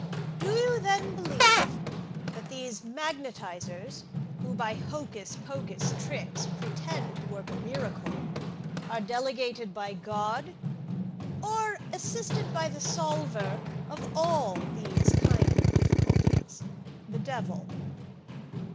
Do you then believe, that these magnetisers, who, by hocus pocus tricks, pretend, to work a miracle, are delegated by God, or assisted by the solver of all these kind of difficulties the devil.